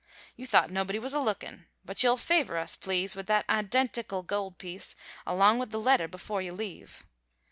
You thought nobody was a lookin', but you'll favor us, please, with that identical gold piece along with the letter before you leave.